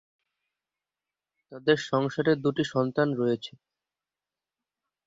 তাদের সংসারে দুটি সন্তান রয়েছে।